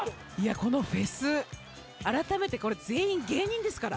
このフェスあらためてこれ全員芸人ですから。